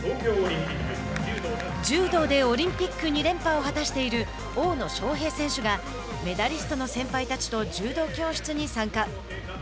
柔道でオリンピック２連覇を果たしている大野将平選手がメダリストの先輩たちと柔道教室に参加。